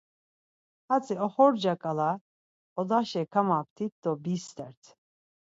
Hatzi oxorca ǩala odaşa kamaptit do bistert.